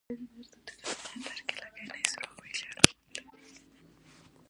هېواد د هر وګړي ملاتړ ته اړتیا لري.